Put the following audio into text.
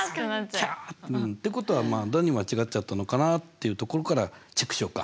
確かに。ってことはまあ何間違っちゃったのかなっていうところからチェックしようか。